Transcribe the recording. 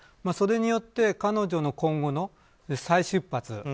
それによって彼女の今後の再出発。